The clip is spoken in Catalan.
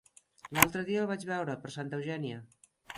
L'altre dia el vaig veure per Santa Eugènia.